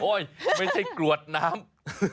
โอ้ยไม่ใช่กรวดน้ำ